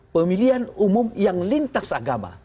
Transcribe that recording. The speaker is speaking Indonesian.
pemilihan umum yang lintas agama